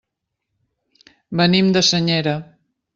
Venim de Senyera.